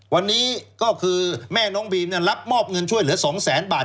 วันนี้ก็คือแม่น้องบีมรับมอบเงินช่วยเหลือ๒แสนบาท